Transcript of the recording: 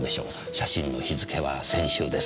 写真の日付は先週です。